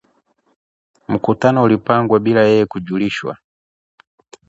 Mkutano ulipangwa bila yeye kujulishwa